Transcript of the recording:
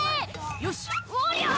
「よしありゃ！